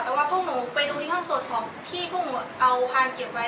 แต่ว่าพวกหนูไปดูที่ห้องสดของที่พวกหนูเอาพานเก็บไว้